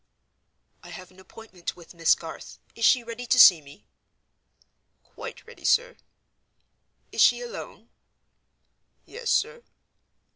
"I have an appointment with Miss Garth. Is she ready to see me?" "Quite ready, sir." "Is she alone?" "Yes, sir."